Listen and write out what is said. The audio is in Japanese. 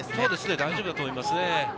大丈夫だと思いますね。